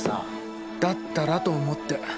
だったらと思って。